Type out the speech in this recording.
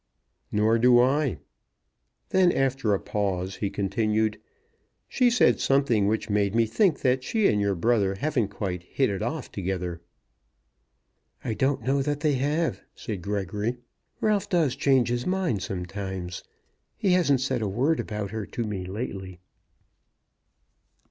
"Nor do I." Then after a pause he continued; "She said something which made me think that she and your brother haven't quite hit it off together." "I don't know that they have," said Gregory. "Ralph does change his mind sometimes. He hasn't said a word about her to me lately."